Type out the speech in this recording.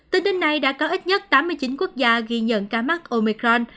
tin tên này đã có ít nhất tám mươi chín quốc gia ghi nhận ca mắc omicron